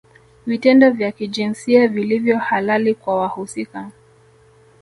Vitendo vya kijinsia vilivyo halali kwa wahusika